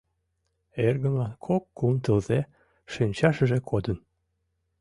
— Эргымлан кок-кум тылзе шинчашыже кодын...